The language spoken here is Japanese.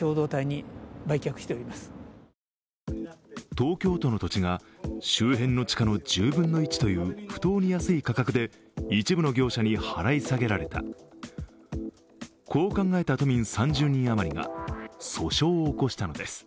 東京都の土地が周辺の地価の１０分の１という不当に安い価格で一部の業者に払い下げられたこう考えた都民３０人余りが訴訟を起こしたのです。